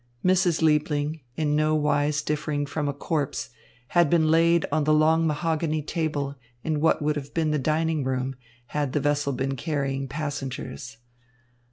Mrs. Liebling, in no wise differing from a corpse, had been laid on the long mahogany table in what would have been the dining room, had the vessel been carrying passengers.